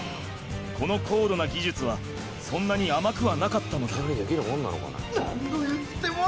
この高度な技術はそんなに甘くはなかったのだ。